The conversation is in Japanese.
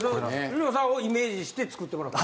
梨乃さんをイメージして作ってもらった？